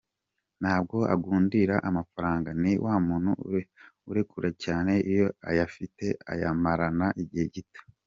Ntabwo agundira amafaranga, ni wa muntu urekura cyane, iyo ayafite ayamarana igihe gito.